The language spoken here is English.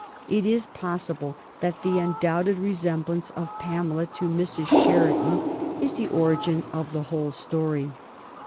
It is possible that the undoubted resemblance of Pamela to Mrs. Sheridan is the origin of the whole story.